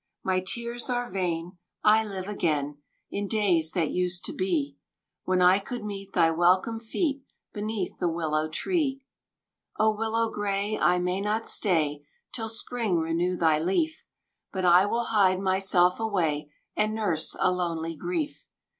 My tears are vain: I live again In days that used to be, When I could meet thy welcome feet Beneath the Willow Tree. "Oh Willow gray, I may not stay Till Spring renew thy leaf; But I will hide myself away, And nurse a lonely grief.